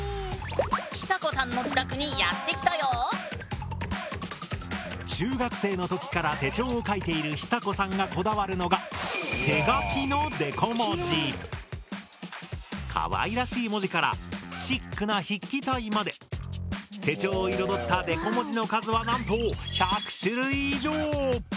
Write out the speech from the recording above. ひさこさんの自宅にやって来たよ。中学生の時から手帳を書いているひさこさんがこだわるのがかわいらしい文字からシックな筆記体まで手帳を彩ったデコ文字の数はなんとぬぬ！